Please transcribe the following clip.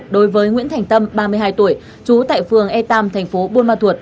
đối với nguyễn thành tâm ba mươi hai tuổi chú tại phường e ba thành phố buôn ma thuột